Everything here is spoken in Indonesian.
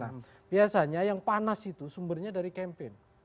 nah biasanya yang panas itu sumbernya dari campaign